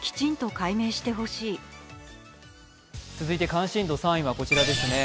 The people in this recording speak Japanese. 関心度３位はこちらです。